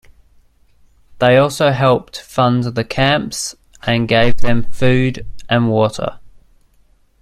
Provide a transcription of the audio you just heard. They also helped fund the camps and gave them food and water.